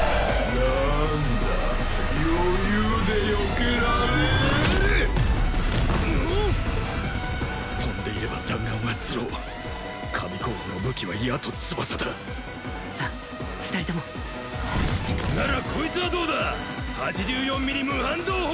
何だ余裕でよけられる飛んでいれば弾丸はスロー神候補の武器は矢と翼ださあ２人ともならこいつはどうだ８４ミリ無反動砲！